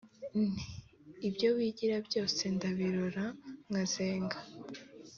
Nti “Ibyo wigira byose Ndabirora nkazenga